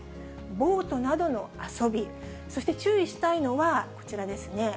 ボートなどの遊び、そして注意したいのは、こちらですね。